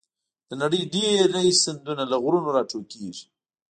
د نړۍ ډېری سیندونه له غرونو راټوکېږي.